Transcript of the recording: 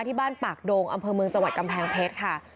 ที่บ้านปากโดงอำเภอเมืองจังหวัดกำแพงเพชรค่ะ